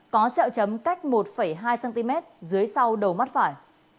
có xeo chấm cách một hai cm dưới sau đầu mắt phải